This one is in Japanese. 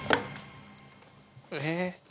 えっ？